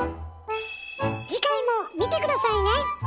次回も見て下さいね！